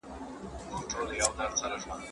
که خپلو تولیداتو ته وده ورکړو نو احتیاج نه پاتې کیږو.